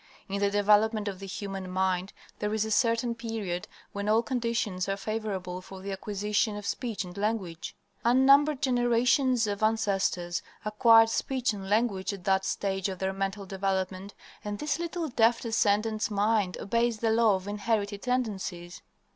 In the development of the human mind there is a certain period when all conditions are favorable for the acquisition of speech and language. Unnumbered generations of ancestors acquired speech and language at that stage of their mental development, and this little deaf descendant's mind obeys the law of inherited tendencies.